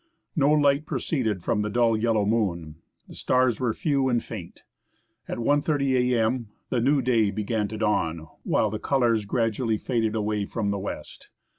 No light proceeded from the dull, yellow moon ; the stars were few and faint. At 1.30 a.m. the new day began to dawn,' while the colours gradually faded away from the west.